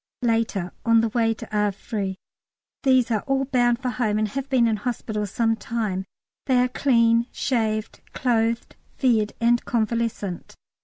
Later. On way to Havre. These are all bound for home and have been in hospital some time. They are clean, shaved, clothed, fed, and convalescent.